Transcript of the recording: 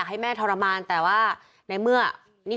คุณสังเงียมต้องตายแล้วคุณสังเงียม